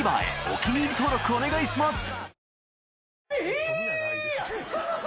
お気に入り登録お願いします